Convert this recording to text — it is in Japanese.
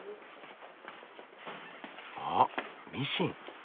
あミシン。